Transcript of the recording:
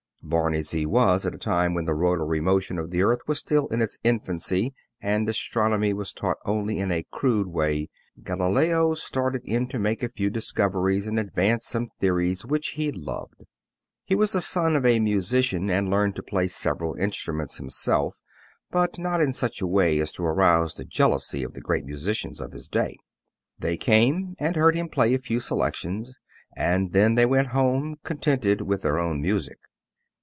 Born as he was, at a time when the rotary motion of the earth was still in its infancy and astronomy was taught only in a crude way, Galileo started in to make a few discoveries and advance some theories which he loved. He was the son of a musician and learned to play several instruments himself, but not in such a way as to arouse the jealousy of the great musicians of his day. They came and heard him play a few selections, and then they went home contented with their own music.